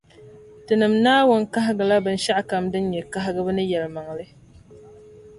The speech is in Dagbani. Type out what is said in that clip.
Tinim’ Naawuni kahigila binshɛɣu kam ka di nyɛ kahigibu ni yεlimaŋli.